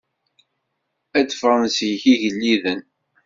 Ad d-ffɣen seg-k igelliden.